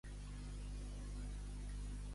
Quin fenomen meteorològic hi és present?